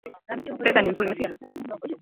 Pesa ni nzuri